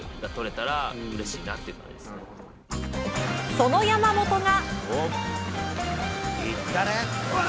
その山本が。